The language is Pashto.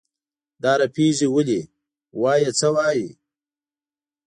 دا رپېږې ولې؟ وایه څه وایې؟